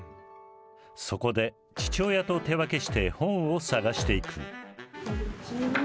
そこで父親と手分けして本を探していく。